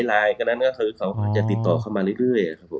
ไลน์กันนั้นก็คือเขาจะติดต่อเข้ามาเรื่อยครับผม